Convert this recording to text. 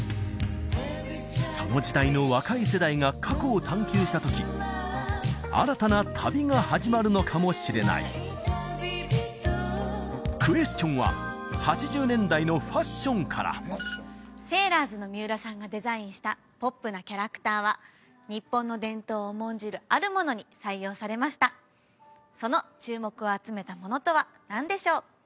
その時代の若い世代が過去を探求したとき新たな旅が始まるのかもしれないクエスチョンは８０年代のファッションからセーラーズの三浦さんがデザインしたポップなキャラクターは日本の伝統を重んじるあるものに採用されましたその注目を集めたものとは何でしょう？